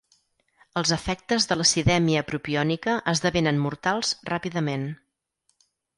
Els efectes de l'acidèmia propiònica esdevenen mortals ràpidament.